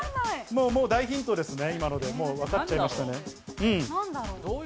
もうもう大ヒントですね、今ので、もう分かっちゃいましたなんだろう？